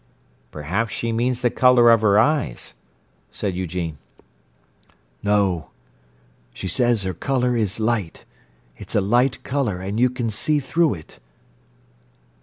"Perhaps she means the colour of her eyes," said Eugene. "No. She says her colour is light—it's a light colour and you can see through it."